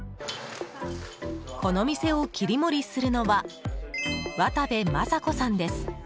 この店を切り盛りするのは渡部マサ子さんです。